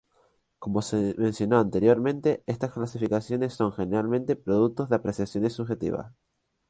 Como se mencionó anteriormente, estas clasificaciones son generalmente productos de apreciaciones subjetivas.